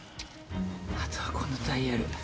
後はこのダイヤル。